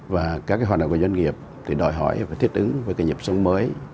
và các hoạt động của doanh nghiệp thì đòi hỏi và thiết ứng với cái nhập sống mới